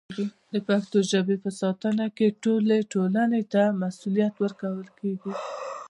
د پښتو ژبې په ساتنه کې ټولې ټولنې ته مسوولیت ورکول کېږي.